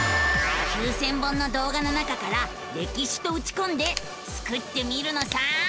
９，０００本の動画の中から「歴史」とうちこんでスクってみるのさ！